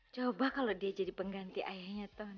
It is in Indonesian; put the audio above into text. coba kalau dia jadi pengganti ayahnya ton